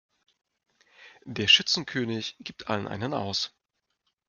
Der Schützenkönig gibt allen einen aus.